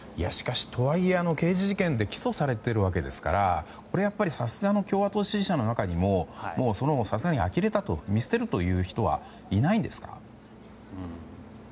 とはいえ刑事事件で起訴されてるわけですからこれはやはりさすがの共和党支持者の中にもあきれて見捨てるという人はいないんですか？